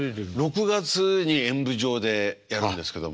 ６月に演舞場でやるんですけども。